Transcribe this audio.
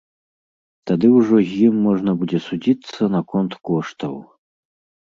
Тады ўжо з ім можна будзе судзіцца наконт коштаў.